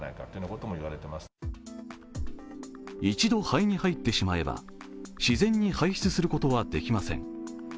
一度肺に入ってしまえば自然に排出することはできません。